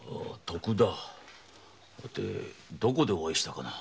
どこでお会いしたかな？